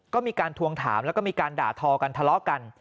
ก็มีการทวงถามแล้วก็มีการด่าทอกันทะเลาะกัน